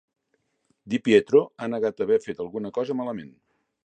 Di Pietro ha negat haver fet alguna cosa malament.